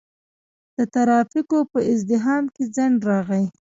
د ترافیکو په ازدحام کې ځنډ راغی.